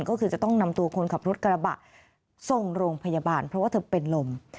ก็คือจะต้องนำตัวคนขับรถกระบะส่งโรงพยาบาลเพราะว่าเธอเป็นลม